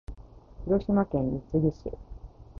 広島県三次市